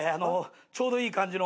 ちょうどいい感じの。